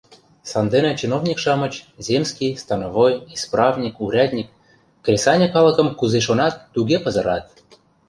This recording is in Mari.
Сандене чиновник-шамыч — земский, становой, исправник, урядник — кресаньык калыкым кузе шонат, туге пызырат.